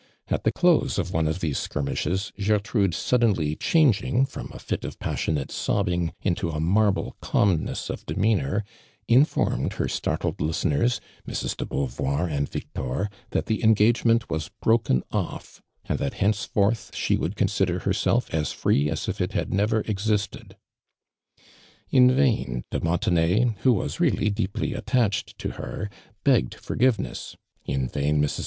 At the close of one of these skirmishes, Gertrude suddenly changing from a (it of passionate sobbing, into a marble calmness of demeanor, in forme<l her startled listeners, Mrs. de Beau voir and Victor, that the engagement was broken off, and tJJuit henceforth she would consider herself as free as if it had never existed. In vain, de Jlontenay, who was really deeply attached to her, b(>gged forgiveness — in vain Jlrs.